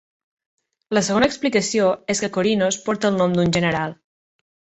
La segona explicació és que Korinos porta el nom d"un general.